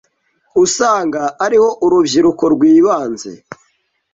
usanga ariho urubyiruko rwibanze,